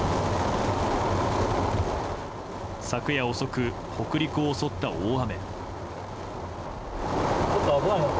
昨夜遅く、北陸を襲った大雨。